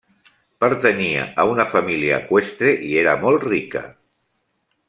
Pertanyia a una família eqüestre i era molt rica.